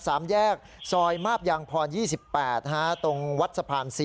สามแยกซอยมาบยางพร๒๘ตรงวัดสะพาน๔